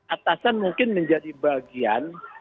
atasan mungkin menjadi bagian